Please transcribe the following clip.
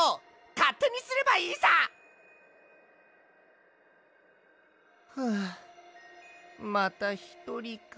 かってにすればいいさ！はあまたひとりか。